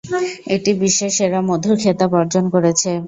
এটি বিশ্বের সেরা মধুর খেতাব অর্জন করেছে।